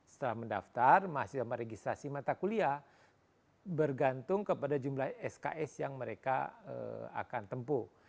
setelah mendaftar mahasiswa meregistrasi mata kuliah bergantung kepada jumlah sks yang mereka akan tempuh